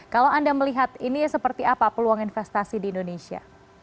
kalau anda melihat ini seperti apa peluang investasi di indonesia